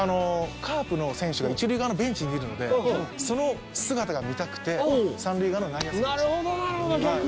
カープの選手が一塁側のベンチにいるのでその姿が見たくて三塁側の内野席でした